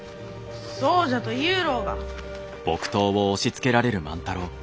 そうじゃと言ゆうろうが。